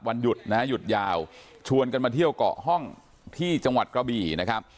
วันหยุดนะฮะหยุดยาวชวนกันมาเที่ยวเกาะห้องที่จังหวัดกระบี่นะครับ